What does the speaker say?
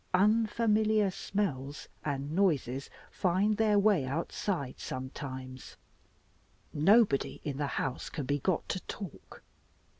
Unfamiliar smells and noises find their way outside sometimes. Nobody in the house can be got to talk.